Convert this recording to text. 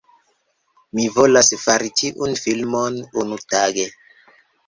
Mi volas fari tiun filmon, unutage